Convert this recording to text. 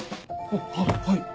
あっはい！